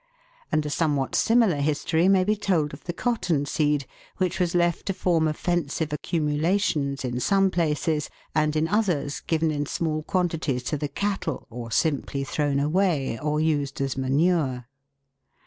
And a somewhat similar history may be told of the cotton seed, which was left to form offensive accumulations in some places, and in others given in small quantities to the cattle, or simply thrown away, or used COTTON REFUSE. 303 as manure.